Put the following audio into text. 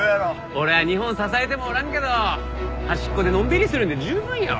俺は日本を支えてもおらんけど端っこでのんびりしとるんで十分やわ。